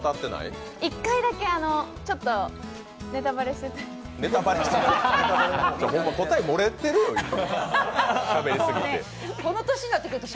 １回だけ、ちょっとネタバレしてたんですけど。